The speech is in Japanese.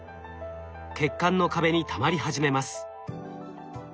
血管の壁にたまり始めます。